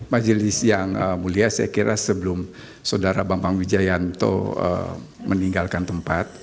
majelis yang mulia saya kira sebelum saudara bambang wijayanto meninggalkan tempat